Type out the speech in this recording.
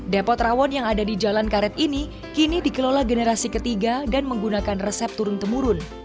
depot rawon yang ada di jalan karet ini kini dikelola generasi ketiga dan menggunakan resep turun temurun